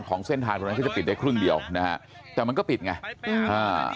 ของเส้นทางตรงนั้นที่จะปิดได้ครึ่งเดียวนะฮะแต่มันก็ปิดไงอ่า